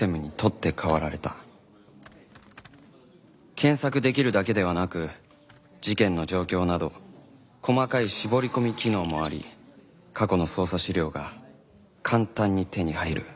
検索できるだけではなく事件の状況など細かい絞り込み機能もあり過去の捜査資料が簡単に手に入る